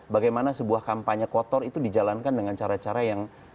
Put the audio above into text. bagaimana sebuah kampanye kotor itu dijalankan dengan cara cara yang